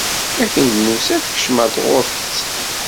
Akken d-nusa tekcem ar tɣurfet.